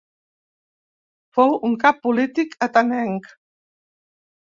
Fou un cap polític atenenc.